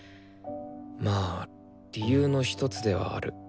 まあ理由の一つではあるかな。